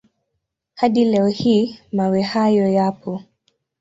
Hadi leo hii mawe hayo yapo.